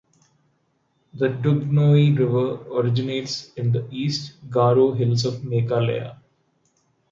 The Dudhnoi river originates in the East Garo Hills of Meghalaya.